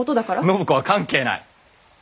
暢子は関係ない！